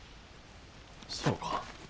そうか。